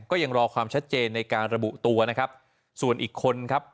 ก็ยังรอความชัดเจนในการระบุตัวนะครับส่วนอีกคนครับ